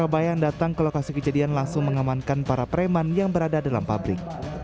dan datang ke lokasi kejadian langsung mengamankan para pereman yang berada dalam pabrik